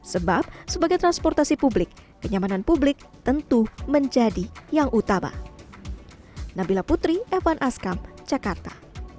sebab sebagai transportasi publik kenyamanan publik tentu menjadi yang utama